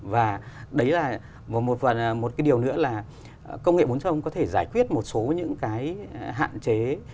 và đấy là một cái điều nữa là công nghệ bốn có thể giải quyết một số những cái hạn chế